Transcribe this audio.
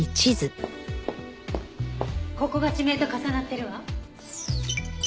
ここが地名と重なってるわ。